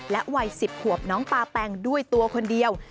วัย๑๐ขวบน้องปาแปงด้วยตัวคนเดียว